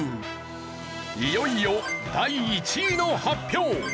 いよいよ第１位の発表。